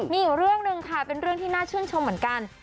มีอีกเรื่องหนึ่งค่ะเป็นเรื่องที่น่าชื่นชมเหมือนกัน